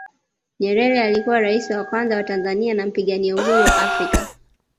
nyerere alikuwa raisi wa kwanza wa tanzania na mpigania Uhuru wa africa